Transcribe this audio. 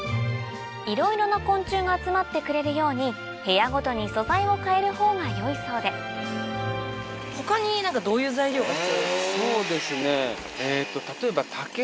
いろいろな昆虫が集まってくれるように部屋ごとに素材を変える方が良いそうでそうですね。